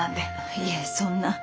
いえそんな。